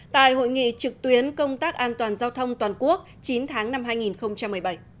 tại hội nghị trực tuyến công tác an toàn giao thông toàn quốc chín tháng năm hai nghìn một mươi bảy